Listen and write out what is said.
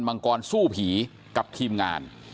มังกรสู้ผีกับทีมงาน